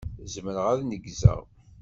Zemreɣ ad neggzeɣ.